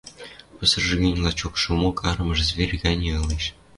Вырсыжы гӹнь лачокшымок армыж зверь ганьы ылеш.